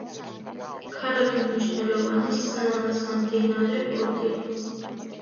ქალაქი მნიშვნელოვანი სამდინარე პორტია.